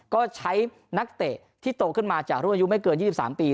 ก็ใช้นักเตะที่โตขึ้นมาจากรุ่นอายุไม่เกิน๒๓ปี